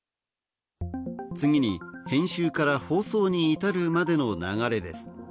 次に編集から放送に至るまでの流れです。